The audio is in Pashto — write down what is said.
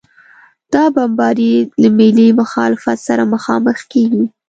دا بمبارۍ له ملي مخالفت سره مخامخ کېږي.